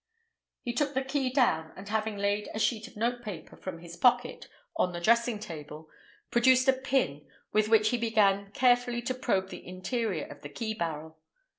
He took the key down, and having laid a sheet of notepaper, from his pocket, on the dressing table, produced a pin, with which he began carefully to probe the interior of the key barrel.